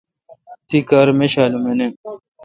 تی کار میشالم اؘ نہ۔